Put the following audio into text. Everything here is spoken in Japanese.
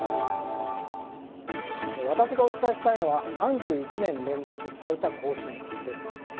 私がお伝えしたいのは３１年連続、最多更新です。